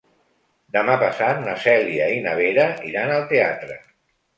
Demà passat na Cèlia i na Vera iran al teatre.